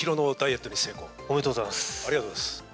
ありがとうございます。